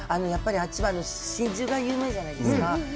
やっぱり、あっちは真珠が有名じゃないですか。